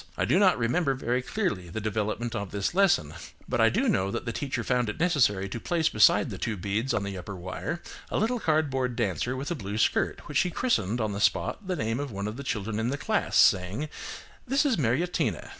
I do not remember very clearly the development of this lesson, but I do know that the teacher found it necessary to place beside the two beads on the upper wire a little cardboard dancer with a blue skirt, which she christened on the spot the name of one of the children in the class, saying, "This is Mariettina."